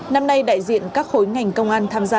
năm nay đại diện các khối ngành công an tham gia